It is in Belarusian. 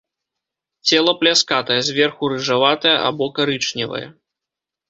Цела пляскатае, зверху рыжаватае або карычневае.